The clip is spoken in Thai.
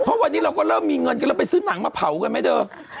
เพราะวันนี้เราก็เริ่มมีเงินกันแล้วไปซื้อหนังมาเผากันไหมเธอ